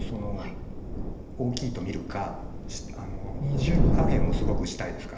大きいと見るか下辺もすごく打ちたいですから。